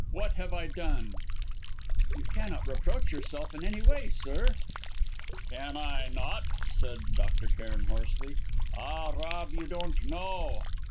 What have I done!" "You cannot reproach yourself in any way, sir!" "Can I not?" said Dr. Cairn hoarsely. "Ah, Rob, you don't know!"